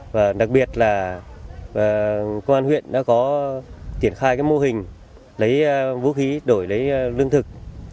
và đặc biệt là công an huyện đã có triển khai mô hình lấy vũ khí đổi lấy lương thực